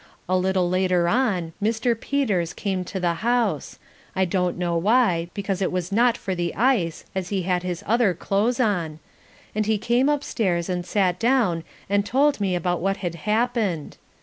A little later on Mr. Peters came to the house, I don't know why, because it was not for the ice as he had his other clothes on, and he came upstairs and sat down and told me about what had happened.